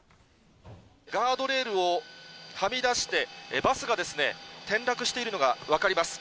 ガードレールをはみ出して、バスがですね、転落しているのが分かります。